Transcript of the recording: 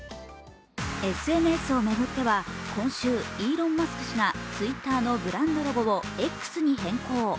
ＳＮＳを巡っては今週、イーロン・マスク氏がＴｗｉｔｔｅｒのブランドロゴをＸに変更。